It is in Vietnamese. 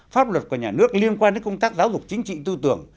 pháp luật của nhà nước liên quan đến công tác giáo dục chính trị tư tưởng